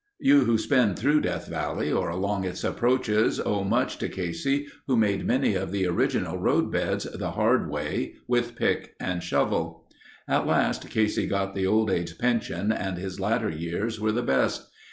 You who spin through Death Valley or along its approaches owe much to Casey, who made many of the original road beds the hard way—with pick and shovel. At last Casey got the old age pension and his latter years were the best.